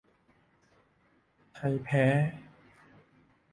ไทยแพ้